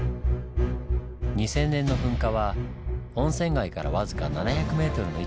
２０００年の噴火は温泉街から僅か７００ｍの位置で発生。